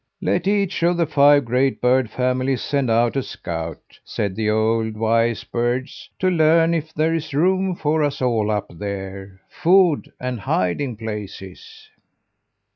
"'Let each of the five great bird families send out a scout,' said the old and wise birds, 'to learn if there is room for us all up there food and hiding places.'